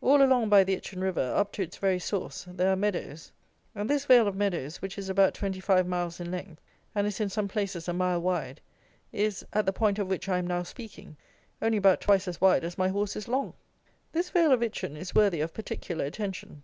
All along by the Itchen river, up to its very source, there are meadows; and this vale of meadows, which is about twenty five miles in length, and is in some places a mile wide, is, at the point of which I am now speaking, only about twice as wide as my horse is long! This vale of Itchen is worthy of particular attention.